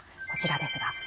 こちらですが。